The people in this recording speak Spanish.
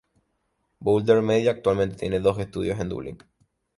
Boulder Media actualmente tiene dos estudios en Dublin.